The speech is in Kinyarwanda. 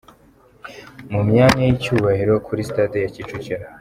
Mu myanya y'icyubahiro kuri sitade ya Kicukiro .